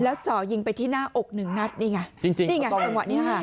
จ่อยิงไปที่หน้าอกหนึ่งนัดนี่ไงจริงจริงนี่ไงจังหวะนี้ค่ะ